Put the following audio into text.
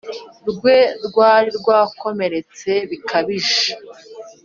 rwe rwari rwakomeretse bikabije